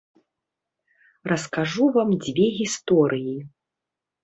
Раскажу вам дзве гісторыі.